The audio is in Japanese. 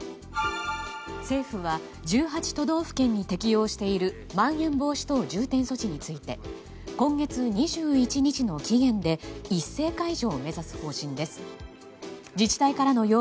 政府は１８都道府県に適用しているまん延防止等重点措置について今月２１日の期限で一斉解除を目指す方針です。